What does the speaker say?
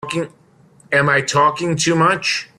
Am I talking too much?